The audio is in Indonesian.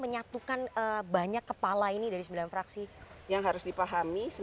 yang harus dipahami